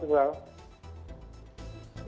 salam sehat selalu